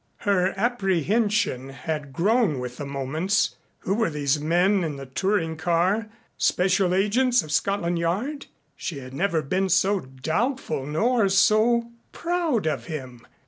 Her apprehension had grown with the moments. Who were these men in the touring car? Special agents of Scotland Yard? She had never been so doubtful nor so proud of him.